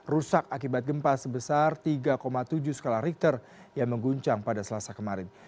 rusak akibat gempa sebesar tiga tujuh skala richter yang mengguncang pada selasa kemarin